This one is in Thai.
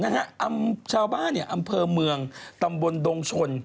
นะฮะชาวบ้านเนี่ยอำเภอเมืองตำบลดงชน